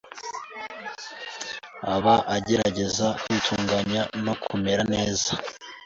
aba agerageza kwitunganya no kumera neza